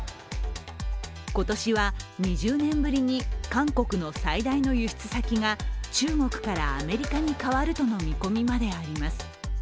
今年は２０年ぶりに韓国の最大の輸出先が中国からアメリカに変わるとの見込みまであります。